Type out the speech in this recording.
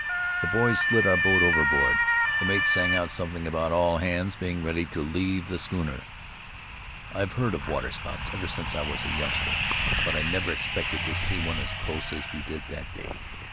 The boys slid our boat over board; the mate sang out something about all hands being ready to leave the schooner. "I've heard of waterspouts ever since I was a youngster, but I never expected to see one as close as we did that day.